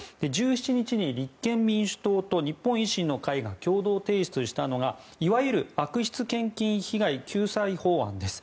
１７日に立憲民主党と日本維新の会が共同提出したのが、いわゆる悪質献金被害救済法案です。